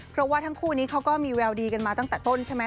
เพราะว่าทั้งคู่นี้เขาก็มีแววดีกันมาตั้งแต่ต้นใช่ไหม